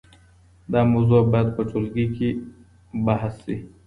دا موضوع باید په ټولګي کي بحث سي.